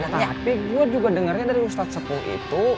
tapi gua juga dengernya dari ustadz sepuluh itu